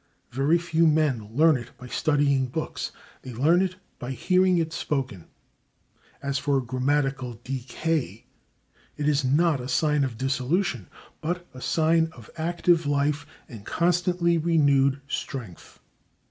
Very few men learn it by studying books; they learn it by hearing it spoken. As for grammatical decay, it is not a sign of dissolution, but a sign of active life and constantly renewed strength.